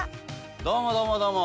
どうもどうもどうも！